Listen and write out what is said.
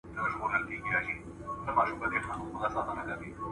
بېله پوښتني ځي جنت ته چي زکات ورکوي ..